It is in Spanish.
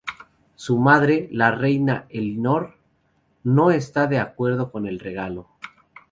Su madre, la reina Elinor, no está de acuerdo con el regalo.